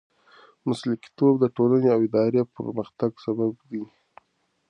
مسلکیتوب د ټولنې او ادارې د پرمختګ سبب دی.